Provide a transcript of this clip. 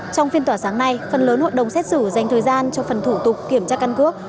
trong phiên tòa sáng nay phần lớn hội đồng xét xử dành thời gian cho phần thủ tục kiểm tra căn cước